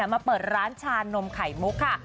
มาเปิดร้านชานมไข่มุกค่ะ